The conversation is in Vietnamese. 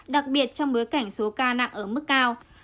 đặc biệt trong bối cảnh số ca nặng ở mức cao